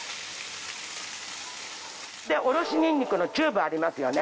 おろしニンニクのチューブありますよね。